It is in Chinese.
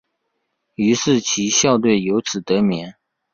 于是其校队由此得名。